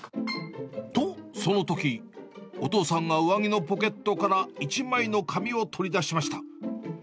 と、そのとき、お父さんが上着のポケットから、１枚の紙を取り出しました。